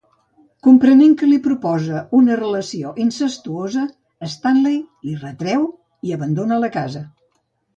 Comprenent que li proposa una relació incestuosa, Stanley l'hi retreu i abandona la casa.